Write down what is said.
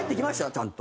ちゃんと。